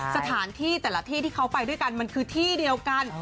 สถานที่แต่ละที่ที่เขาไปด้วยกันมันคือที่เดียวกัน